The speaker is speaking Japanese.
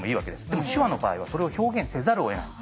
でも手話の場合はそれを表現せざるをえない。